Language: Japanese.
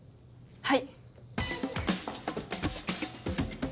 はい。